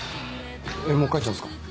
えっもう帰っちゃうんですか？